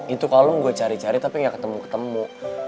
itu kalung gue cari cari tapi gak ketemu ketemu